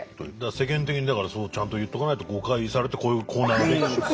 世間的にだからそこをちゃんと言っとかないと誤解されてこういうコーナーが出来てしまう。